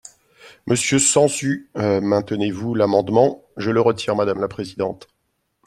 Monsieur Sansu, maintenez-vous l’amendement ? Je le retire, madame la présidente.